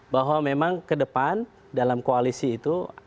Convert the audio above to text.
bahwa memang ke depan dalam koalisi itu